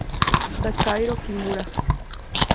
Takahiro Kimura